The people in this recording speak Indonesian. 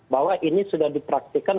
bahwa ini sudah dipraktikan